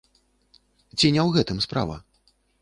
Ці не ў гэтым справа?